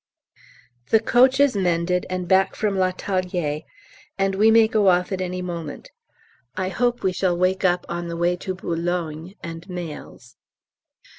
The coach is mended and back from l'atelier, and we may go off at any moment. I hope we shall wake up on the way to Boulogne and mails.